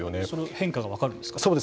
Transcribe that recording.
変化が分かるんですか。